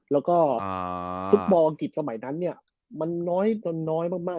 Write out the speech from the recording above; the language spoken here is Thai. และก็ฟุตบอลอังกฤษสมัยนั้นเนี้ยมันน้อยตอนน้อยมาก